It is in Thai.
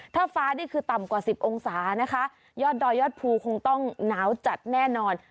ถ้าฟ้านี่คือต่ำกว่าสิบองศานะคะยอดดอยยอดภูคงต้องหนาวจัดแน่นอน